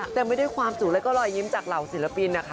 เต็มไปด้วยความสุขแล้วก็รอยยิ้มจากเหล่าศิลปินนะคะ